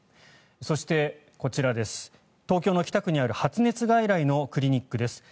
そして、こちら東京の北区にある発熱外来のクリニックです。